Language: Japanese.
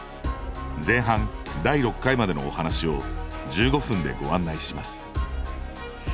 前半第６回までのお話を１５分でご案内します